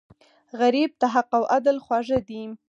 غریب ته حق او عدل خواږه دي